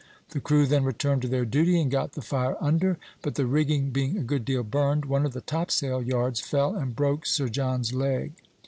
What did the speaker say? The crew then returned to their duty and got the fire under; but the rigging being a good deal burned, one of the topsail yards fell and broke Sir John's leg.